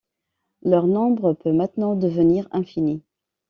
Leur nombre peut maintenant devenir infini.